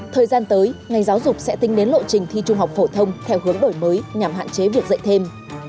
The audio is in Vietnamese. thời gian tới ngành giáo dục sẽ tính đến lộ trình thi trung học phổ thông theo hướng đổi mới nhằm hạn chế việc dạy thêm